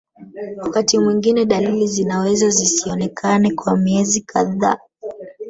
Wakati mwingine dalili zinaweza zisionekane kwa miezi kadhaa